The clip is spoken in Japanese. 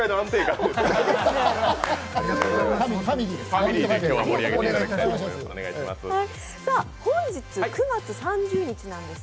ファミリーです。